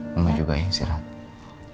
mama juga ingin istirahat